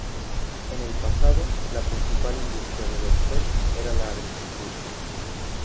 En el pasado la principal industria de Dorset era la agricultura.